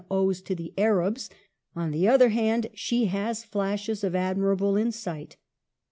219 owes to the Arabs ; on the other hand, she has flashes of admirable insight.